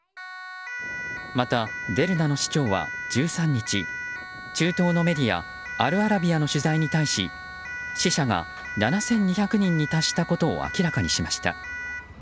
また、デルナの市長は１３日中東のメディアアルアラビアの取材に対し死者が７２００人に達したことを明らかにしました。